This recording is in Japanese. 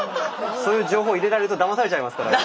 そういう情報入れられるとだまされちゃいますからね。